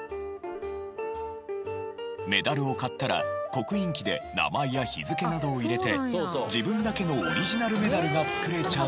メダルを買ったら刻印機で名前や日付などを入れて自分だけのオリジナルメダルが作れちゃうもの。